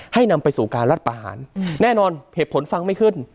นำไปสู่การรัฐประหารแน่นอนเหตุผลฟังไม่ขึ้น